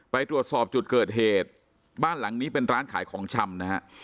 ไปตรวจสอบจุดเกิดเหตุบ้านหลังนี้เป็นร้านขายของชำนะฮะ